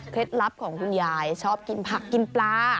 ลับของคุณยายชอบกินผักกินปลา